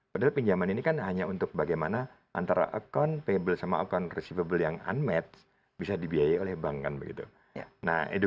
padahal pinjaman ini kan hanya untuk bagaimana antara akun payable sama akun receivable yang unmet bisa dibiayai oleh bank kan begitu